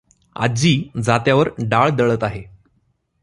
आजी जात्यावर डाळ दळत आहे.